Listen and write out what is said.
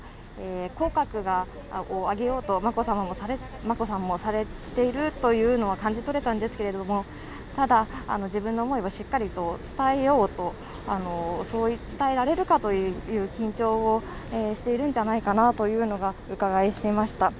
口角を上げようと眞子さんもしているというのは感じ取れたんですけれども、ただ、自分の思いはしっかりと伝えようと、伝えられるかという緊張をしているんじゃないかなというのがうかがいしれました。